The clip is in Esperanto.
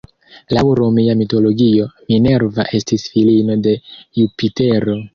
Laŭ romia mitologio, Minerva estis filino de Jupitero.